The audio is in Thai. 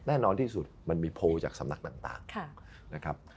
แน่นอนที่สุดมันมีโพลจากสำนักต่างนะครับ